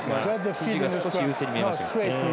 フィジーが少し優勢に見えました。